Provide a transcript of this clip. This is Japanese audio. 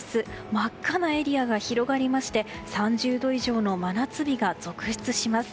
真っ赤なエリアが広がりまして３０度以上の真夏日が続出します。